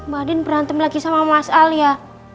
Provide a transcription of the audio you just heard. pak andien berantem lagi sama mas al ya